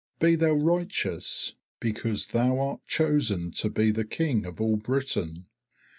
Be thou righteous, because thou art chosen to be the King of all Britain.